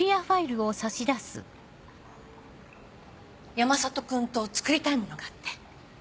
山里君とつくりたいものがあって。